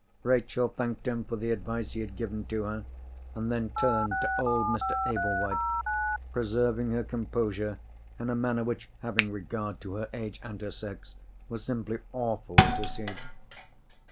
Rachel thanked him for the advice he had given to her, and then turned to old Mr. Ablewhite—preserving her composure in a manner which (having regard to her age and her sex) was simply awful to see.